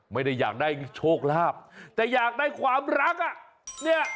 ไม่ได้อยากได้โชคลาภแต่อยากได้ความรักอ่ะเนี่ย